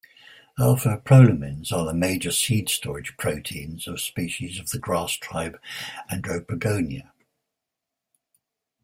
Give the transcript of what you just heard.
Alpha-prolamins are the major seed storage proteins of species of the grass tribe Andropogonea.